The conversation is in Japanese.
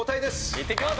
いってきます！